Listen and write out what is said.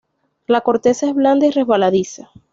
La corteza es blanda y resbaladiza.